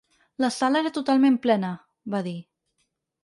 La sala era totalment plena, va dir.